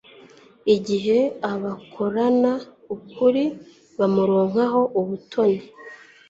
igihe abakorana ukuri bamuronkaho ubutoni